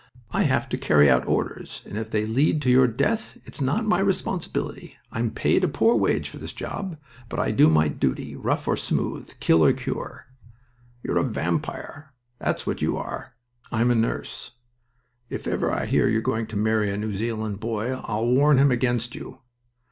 "I have to carry out orders, and if they lead to your death it's not my responsibility. I'm paid a poor wage for this job, but I do my duty, rough or smooth, kill or cure." "You're a vampire. That's what you are." "I'm a nurse." "If ever I hear you're going to marry a New Zealand boy I'll warn him against you."